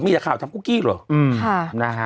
มีแต่ขาวของคุกกี้หรือ